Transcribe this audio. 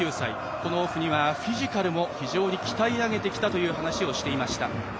このオフにはフィジカルも非常に鍛え上げてきたという話をしていました。